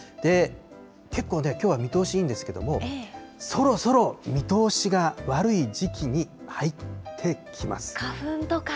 結構ね、きょうは見通しいいんですけれども、そろそろ見通しが悪花粉とか？